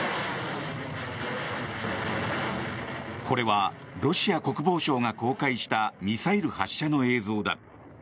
これはロシア国防省が公開したミサイル発射の映像だ。